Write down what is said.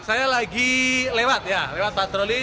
saya lagi lewat ya lewat patroli